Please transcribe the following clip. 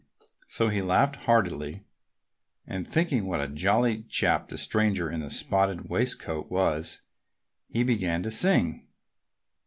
So he laughed heartily. And thinking what a jolly chap the stranger in the spotted waistcoat was, he began to sing.